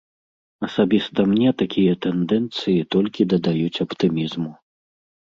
Асабіста мне такія тэндэнцыі толькі дадаюць аптымізму.